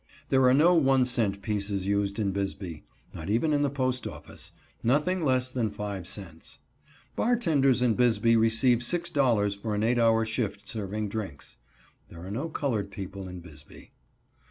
There are no one cent pieces used in Bisbee, (not even in the post office); nothing less than five cents. Bartenders in Bisbee receive $6.00 for an eight hour shift serving drinks. There are no colored people in Bisbee.